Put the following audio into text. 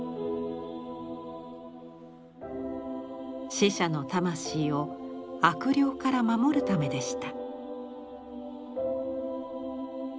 死者の魂を悪霊から守るためでした。